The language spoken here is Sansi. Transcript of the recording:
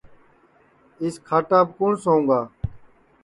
اِس کھاٹاپ کُوٹؔ سوُں گا